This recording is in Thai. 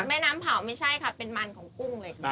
แม่น้ำเผาไม่ใช่ค่ะเป็นมันของกุ้งเลยค่ะ